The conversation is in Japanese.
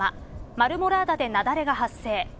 マルモラーダで雪崩が発生。